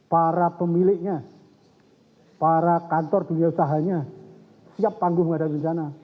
para pemiliknya para kantor dunia usahanya siap tangguh menghadapi bencana